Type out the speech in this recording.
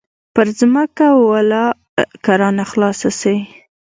پر ځمكه ولله كه رانه خلاص سي.